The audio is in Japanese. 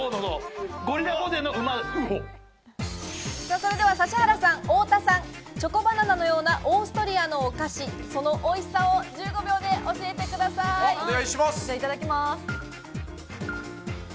それでは指原さん、太田さん、チョコバナナのようなオーストリアのお菓子、そのおいしさを１５いただきます。